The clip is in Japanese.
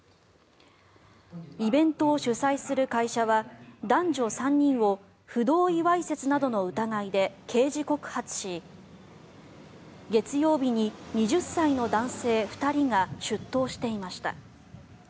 イベントを主催する会社は男女３人を不同意わいせつなどの疑いで刑事告発し月曜日に２０歳の男性２人が出頭していました。